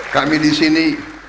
kami di sini